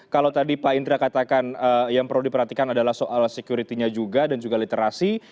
kalau tadi pak indra katakan yang perlu diperhatikan adalah soal security nya juga dan juga literasi